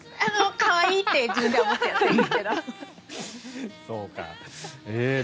可愛いって自分では思ってるんですけど。